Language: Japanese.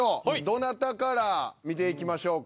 どなたから見ていきましょうか。